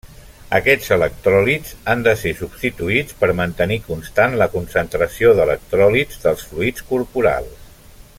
Aquests electròlits han de ser substituïts per mantenir constant la concentració d'electròlits dels fluids corporals.